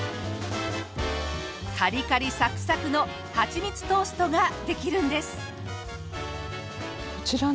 カリカリサクサクのはちみつトーストができるんです！